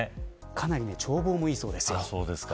かなり眺望もいいそうですよ。